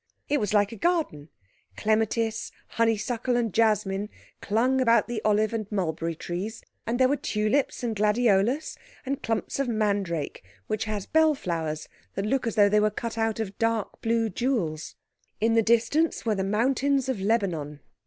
It was like a garden—clematis, honeysuckle, and jasmine clung about the olive and mulberry trees, and there were tulips and gladiolus, and clumps of mandrake, which has bell flowers that look as though they were cut out of dark blue jewels. In the distance were the mountains of Lebanon.